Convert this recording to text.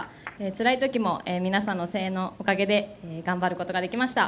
つらい時も皆さんの声援のおかげで頑張ることができました。